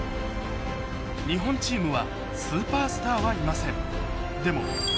日本チームはスーパースターはいません